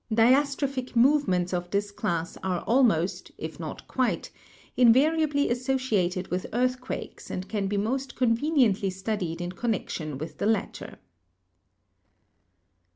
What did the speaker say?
Diastro phic movements of this class are almost, if not quite, in variably associated with earthquakes and can be most conveniently studied in connection with the latter.